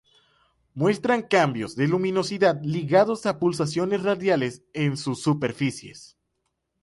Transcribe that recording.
Muestran cambios de luminosidad ligados a pulsaciones radiales en sus superficies.